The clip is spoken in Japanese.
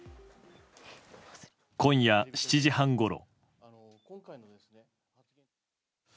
今夜７時半ごろ。